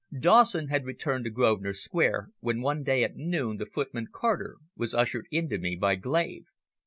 Dawson had returned to Grosvenor Square, when one day at noon the footman, Carter, was ushered in to me by Glave.